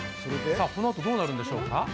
このあとどうなるんでしょうか？